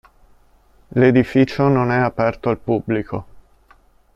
L'edificio non è aperto al pubblico.